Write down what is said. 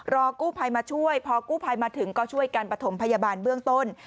กู้ภัยมาช่วยพอกู้ภัยมาถึงก็ช่วยกันประถมพยาบาลเบื้องต้น